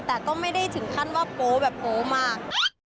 แต่ก็ไม่ได้ถึงขั้นว่าโป๊แบบโป๊มาก